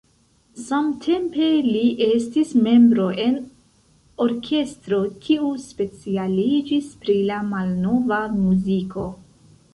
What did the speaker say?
Samtempe li estis membro en orkestro, kiu specialiĝis pri la malnova muziko.